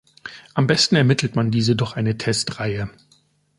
Am besten ermittelt man diese durch eine Testreihe.